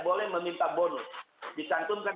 boleh meminta bonus disantumkan